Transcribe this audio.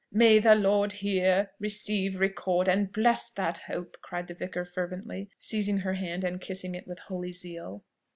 "May the Lord hear, receive, record, and bless that hope!" cried the vicar fervently, seizing her hand and kissing it with holy zeal.